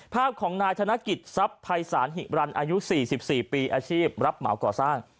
ภาพของนายธนกิจทรัพย์ภัยศาลหิบรันอายุ๔๔ปีอาชีพรับเหมาก่อสร้าง